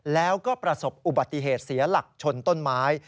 แล้วก็ประสบอุบัติเหตุเสียหลักชนต้นไม้